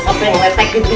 sampe lepek gitu